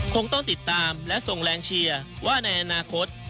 คงต้องติดตามและส่งแรงเชียร์ว่าในอนาคต